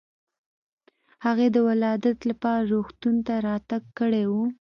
هغې د ولادت لپاره روغتون ته راتګ کړی و.